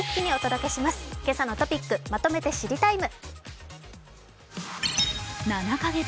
「けさのトピックまとめて知りＴＩＭＥ，」